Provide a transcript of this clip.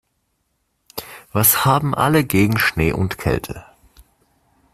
Was haben alle gegen Schnee und Kälte?